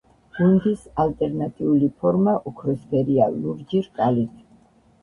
გუნდის ალტერნატიული ფორმა ოქროსფერია ლურჯი რკალით.